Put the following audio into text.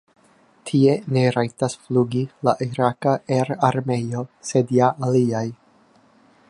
Tie ne rajtas flugi la iraka aerarmeo, sed ja aliaj.